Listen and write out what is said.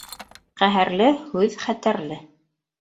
Ҡәһәрле һүҙ хәтәрле.